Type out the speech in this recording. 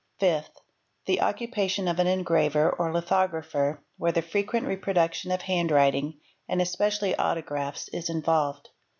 Fifth. The occupation of an engraver or lithographer where the frequent reproduction of handwriting, and especially autographs, is invol ved.